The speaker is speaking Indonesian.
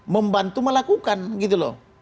membantu melakukan gitu loh